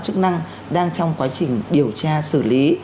chức năng đang trong quá trình điều tra xử lý